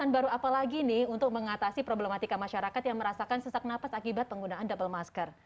baru apalagi nih untuk mengatasi problematika masyarakat yang merasakan sesak nafas akibat penggunaan double masker